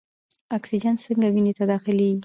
اکسیجن څنګه وینې ته داخلیږي؟